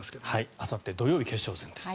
あさって土曜日決勝戦です。